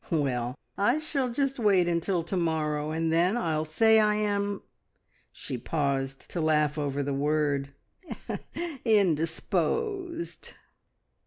Well, I shall just wait until to morrow, and then I'll say I am " she paused to laugh over the word "indisposed!"